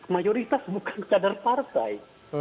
mayoritas bukan kader partai